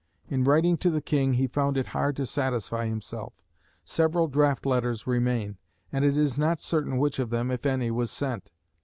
In writing to the King he found it hard to satisfy himself. Several draft letters remain, and it is not certain which of them, if any, was sent.